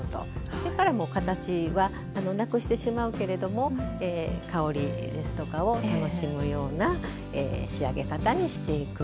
それからもう形はなくしてしまうけれども香りですとかを楽しむような仕上げ方にしていく。